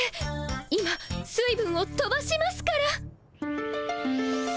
今水分をとばしますから。